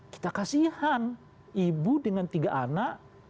kita kasihan ibu dengan tiga anak